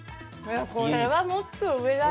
これはもっと上だよ。